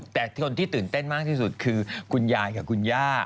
แต่คนที่ตื่นเต้นมากที่สุดคือคุณยายกับคุณย่า